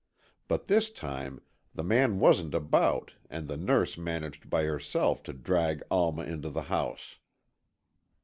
But this time the man wasn't about and the nurse managed by herself to drag Alma into the house."